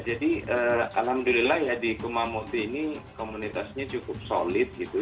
jadi alhamdulillah ya di kumamoto ini komunitasnya cukup solid gitu